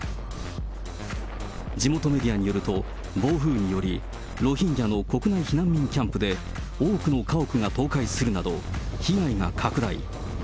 地元メディアによると、暴風により、ロヒンギャの国内避難民キャンプで多くの家屋が倒壊するなど、被害が拡大。